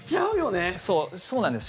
そうなんです。